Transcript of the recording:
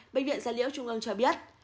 bệnh viện gia liễu trung ương cho biết